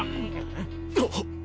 あっ。